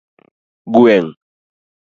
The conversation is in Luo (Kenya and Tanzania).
Gweng'